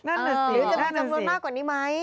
นั่นน่ะสิหรือจะมีจำนวนมากกว่านี้ไหม